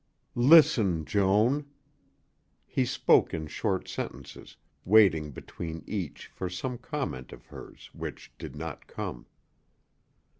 "Listen, Joan." He spoke in short sentences, waiting between each for some comment of hers which did not come.